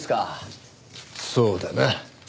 そうだな。